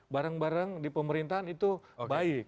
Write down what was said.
barang barang di pemerintahan itu baik